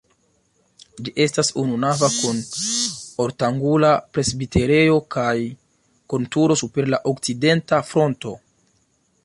Ĝi estas ununava kun ortangula presbiterejo kaj kun turo super la okcidenta fronto.